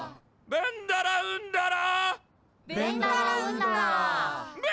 ベンダラウンダラ。